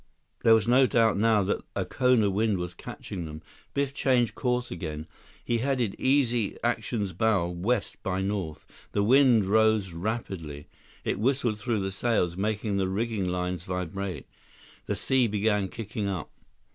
There was no doubt now that a Kona wind was catching them. Biff changed course again. He headed Easy Action's bow west by north. The wind rose rapidly. It whistled through the sails, making the rigging lines vibrate. The sea began kicking up.